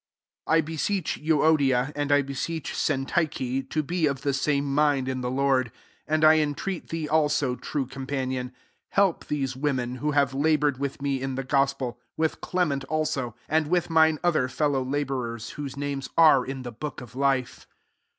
£ I BESEECH Euodia, and I beseech Syntych^, to be of the same mind in the I^ord : 3 and 1 entreat thee also, true com panion, help those women, who have laboured with me in the gospel, with Clement also, and with mine other fellow labour ers, whose names are in the book of life.